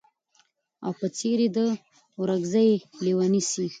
او په څېر چي د اوزګړي لېونی سي